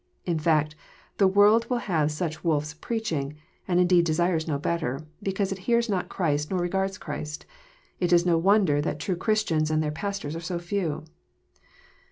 In fact, the world will have snch woirs preaching, and indeed desires no better, becaase it hears not Christ nor regards Christ. It is no wonder that tme Christians and their pastors are so few."